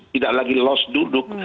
tidak lagi loss duduk